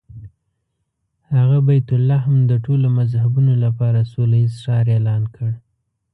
هغه بیت لحم د ټولو مذهبونو لپاره سوله ییز ښار اعلان کړ.